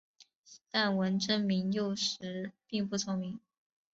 但文征明幼时并不聪慧。